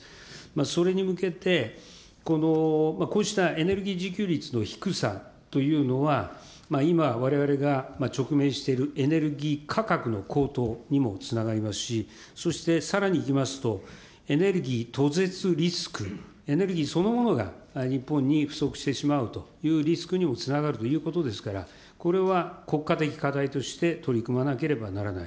それに向けて、こうしたエネルギー自給率の低さというのは、今、われわれが直面しているエネルギー価格の高騰にもつながりますし、そして、さらにいきますと、エネルギー途絶リスク、エネルギーそのものが日本に不足してしまうというリスクにもつながるということですから、これは国家的課題として取り組まなければならない。